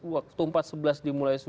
waktu empat sebelas dimulai